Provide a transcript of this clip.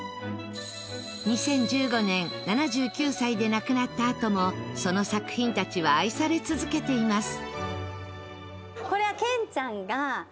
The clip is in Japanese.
２０１５年７９歳で亡くなったあともその作品たちは愛され続けています。